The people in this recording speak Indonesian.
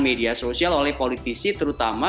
media sosial oleh politisi terutama